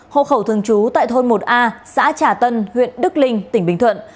hộ khẩu thường trú tại thôn một a xã trà tân huyện đức linh tỉnh bình thuận